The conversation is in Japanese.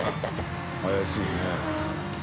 怪しいね。